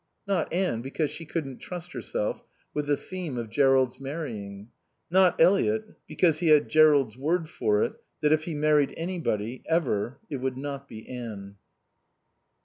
Not Anne, because she couldn't trust herself with the theme of Jerrold's marrying. Not Eliot, because he had Jerrold's word for it that if he married anybody, ever, it would not be Anne.